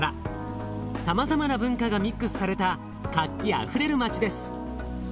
さまざまな文化がミックスされた活気あふれる街です。